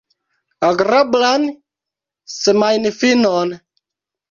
Agrablan semajnfinon!